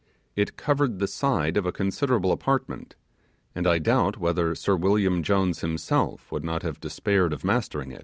It covered the side of a considerable apartment, and I doubt whether Sir William Jones himself would not have despaired of mastering it.